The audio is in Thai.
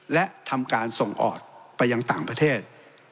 และทำการส่งออกไปยังต่างประเทศ